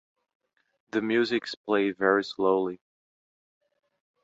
The music is played very slowly.